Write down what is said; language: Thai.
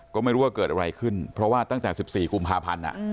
ก็ไม่รู้ว่าเกิดอะไรขึ้นเพราะว่าตั้งแต่๑๔กุมภาพันธ์